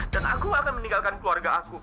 dan aku akan meninggalkan keluarga aku